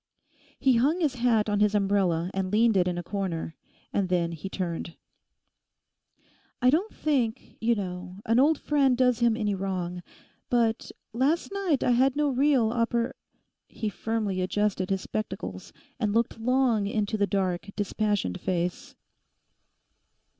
He hung his hat on his umbrella and leaned it in a corner, and then he turned. 'I don't think, you know, an old friend does him any wrong; but last night I had no real oppor—' He firmly adjusted his spectacles, and looked long into the dark, dispassioned face.